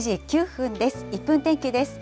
１分天気です。